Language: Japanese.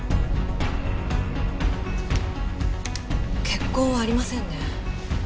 血痕はありませんね。